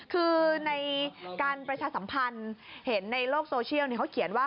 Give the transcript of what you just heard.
คือในการประชาสัมพันธ์เห็นในโลกโซเชียลเขาเขียนว่า